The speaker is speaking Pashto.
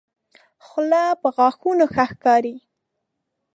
خله په غاښو ښه ښکاري.